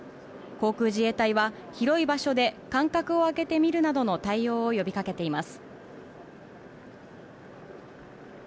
航空自衛隊は、広い場所で間隔を空けて見るなどの対応を呼びかけています。